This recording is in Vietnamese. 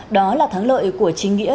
đó là thắng lợi của chính nghĩa